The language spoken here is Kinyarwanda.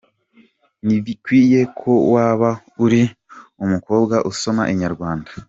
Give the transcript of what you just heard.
Ntibikwiye ko waba uri umukobwa usoma Inyarwanda.